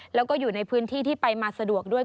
แล้วก็อยู่ในพื้นที่ที่ไปมาสะดวกด้วย